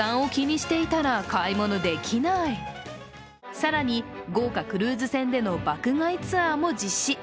更に、豪華クルーズ船での爆買いツアーも実施。